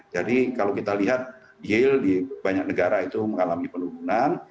jadi kalau kita lihat yield di banyak negara itu mengalami penurunan